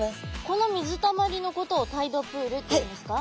この水たまりのことをタイドプールっていうんですか？